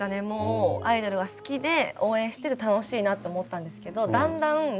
もうアイドルが好きで応援してて楽しいなって思ったんですけどだんだん。